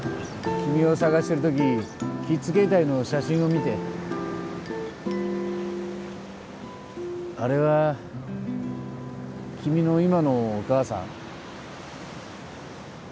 君を捜してる時キッズケータイの写真を見てあれは君の今のお母さん？